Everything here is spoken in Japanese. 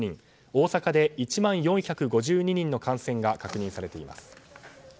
大阪で１万４５２人の感染が確認されています。